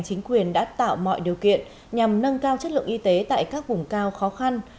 chính quyền đã tạo mọi điều kiện nhằm nâng cao chất lượng y tế tại các vùng cao khó khăn